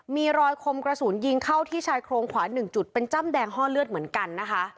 มีรอยคมกระสุนยิงเข้าที่ชายโครงขวา๑จุดเป็นจ้ำแดงห้อเลือดเหมือนกันนะคะ